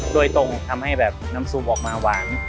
โดยตรงทำให้แบบน้ำซุมออกมาหวาน